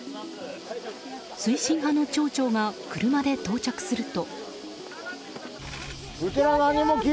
推進派の町長が車で到着すると。